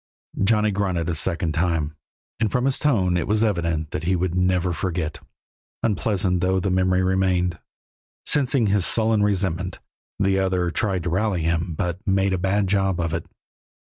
Johnny grunted a second time, and from his tone it was evident that he would never forget, unpleasant though the memory remained. Sensing his sullen resentment, the other tried to rally him, but made a bad job of it.